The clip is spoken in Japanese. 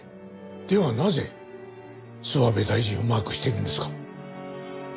ではなぜ諏訪部大臣をマークしているんですか？